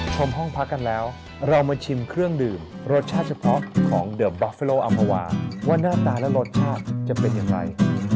ชมห้องพักกันแล้วเรามาชิมเครื่องดื่มรสชาติเฉพาะของเดิร์ฟบอฟเฟโลอัมภาวาว่าหน้าตาและรสชาติจะเป็นอย่างไร